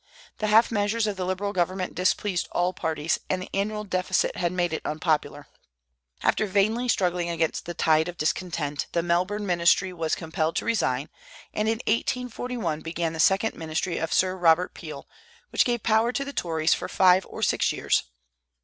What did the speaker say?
The half measures of the Liberal government displeased all parties, and the annual deficit had made it unpopular. After vainly struggling against the tide of discontent, the Melbourne ministry was compelled to resign, and in 1841 began the second ministry of Sir Robert Peel, which gave power to the Tories for five or six years.